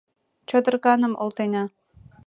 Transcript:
— Чодырканым олтена!